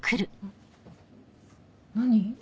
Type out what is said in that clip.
何？